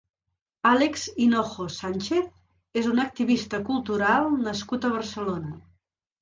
Àlex Hinojo Sánchez és un activista cultural nascut a Barcelona.